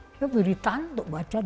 diberi tan untuk baca